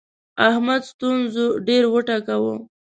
احمد ستونزو ډېر وټکاوو.